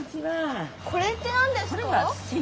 これってなんですか？